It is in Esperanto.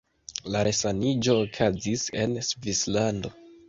La resaniĝo okazis en Svislando.